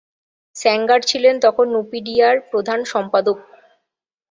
Sanger ছিলেন তখন নুপিডিয়ায় প্রধান সম্পাদক।